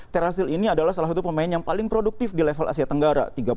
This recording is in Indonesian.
terhasil ini adalah salah satu pemain yang paling produktif di level asia tenggara